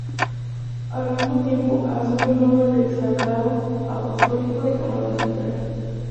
Al mismo tiempo, asumió el nombre de exarcado apostólico de Canadá Central.